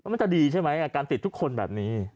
มันจะดีใช่ไหมการติดทุกคนแบบนี้